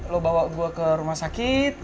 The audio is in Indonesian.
lo bawa gue ke rumah sakit